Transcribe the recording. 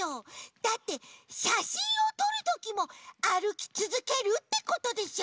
だってしゃしんをとるときもあるきつづけるってことでしょ？